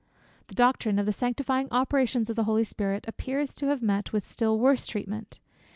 The doctrine of the sanctifying operations of the Holy Spirit, appears to have met with still worse treatment.